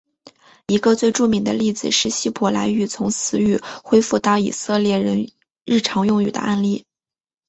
一个最著名的例子是希伯来语从死语恢复到以色列人日常用语的案例。